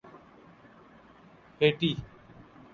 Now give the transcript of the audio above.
Haiti